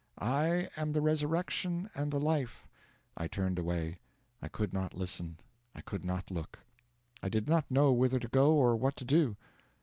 'I am the resurrection and the life ' I turned away. I could not listen; I could not look. I did not know whither to go or what to do.